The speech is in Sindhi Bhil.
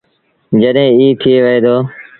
جڏهيݩٚ ايٚ ٿئي وهي تا